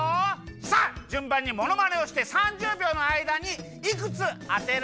さあじゅんばんにものまねをして３０びょうのあいだにいくつあてられるかちょうせんするよ。